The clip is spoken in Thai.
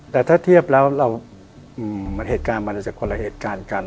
แต่ถ้าเทียบแล้วเหตุการณ์มันเลยจากคนละเหตุการณ์กัน